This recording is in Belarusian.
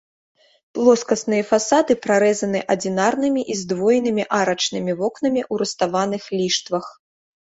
Плоскасныя фасады прарэзаны адзінарнымі і здвоенымі арачнымі вокнамі ў руставаных ліштвах.